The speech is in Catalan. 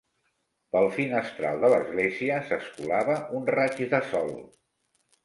Pel finestral de l'església s'escolava un raig de sol.